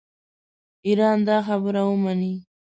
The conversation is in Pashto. ایران دا خبره ومني.